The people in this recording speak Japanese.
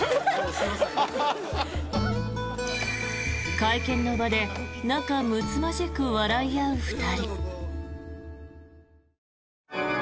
会見の場で仲むつまじく笑い合う２人。